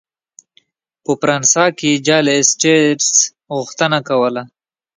په فرانسه کې جل اسټټس غوښتنه کوله.